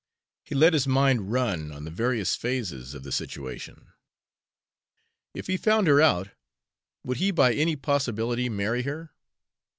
He let his mind run on the various phases of the situation. "If he found her out, would he by any possibility marry her?"